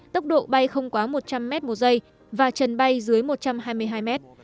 tốc độ bay không quá một trăm linh mét một giây và trần bay dưới một trăm hai mươi hai mét